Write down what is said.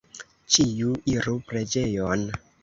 Ĉiuj iru preĝejon!